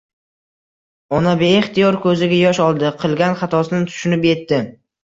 Ona beihtiyor ko`ziga yosh oldi, qilgan xatosini tushunib etdi